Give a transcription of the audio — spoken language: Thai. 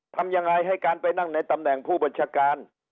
ทำยังไงให้การไปนั่งในตำแหน่งผู้บัญชาการ